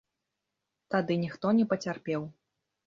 Тады ніхто не пацярпеў.